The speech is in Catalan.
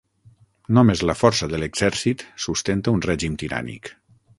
Només la força de l'exèrcit sustenta un règim tirànic.